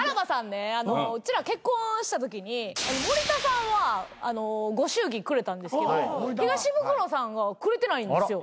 ねうちら結婚したときに森田さんはご祝儀くれたんですけど東ブクロさんがくれてないんですよ。